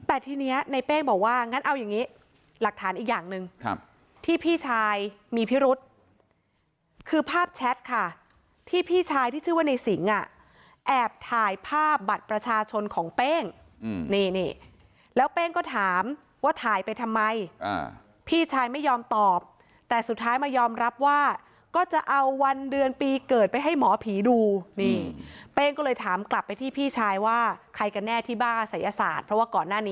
แต่ทีนี้ในเป้งบอกว่างั้นเอาอย่างนี้หลักฐานอีกอย่างหนึ่งที่พี่ชายมีพิรุษคือภาพแชทค่ะที่พี่ชายที่ชื่อว่าในสิงอ่ะแอบถ่ายภาพบัตรประชาชนของเป้งนี่แล้วเป้งก็ถามว่าถ่ายไปทำไมพี่ชายไม่ยอมตอบแต่สุดท้ายมายอมรับว่าก็จะเอาวันเดือนปีเกิดไปให้หมอผีดูนี่เป้งก็เลยถามกลับไปที่พี่ชายว่าใครกันแน่ที่บ้าศัยศาสตร์เพราะว่าก่อนหน้านี้